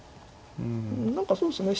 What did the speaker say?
何かそうですね